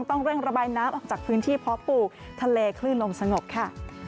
ต้องเร่งระบายน้ำออกจากพื้นที่เพาะปลูกทะเลคลื่นลมสงบค่ะ